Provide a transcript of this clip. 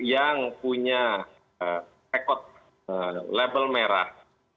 yang punya rekod label merah